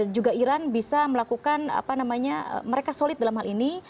juga iran bisa melakukan apa namanya mereka solid dalam hal ini